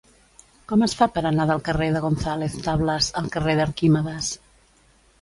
Com es fa per anar del carrer de González Tablas al carrer d'Arquímedes?